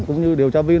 cũng như điều tra viên